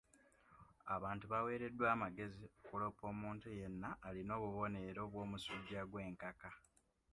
Abantu baweereddwa amagezi okuloopa omuntu yenna alina obubonero bw'omusujja gw'enkaka.